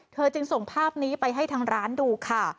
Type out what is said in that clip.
จึงส่งภาพนี้ไปให้ทางร้านดูค่ะ